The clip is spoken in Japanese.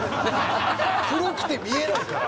黒くて見えないから。